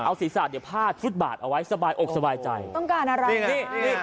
เอาศีรษะเดี๋ยวพาดฟุตบาทเอาไว้สบายอกสบายใจต้องการอะไรนี่นี่